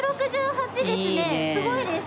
すごいです。